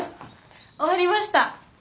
終わりました！